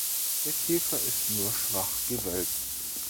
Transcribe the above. Der Käfer ist nur schwach gewölbt.